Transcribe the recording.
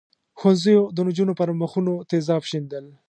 ښوونځیو د نجونو پر مخونو تېزاب شیندل.